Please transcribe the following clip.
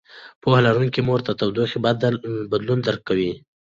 پوهه لرونکې مور د تودوخې بدلون درک کوي.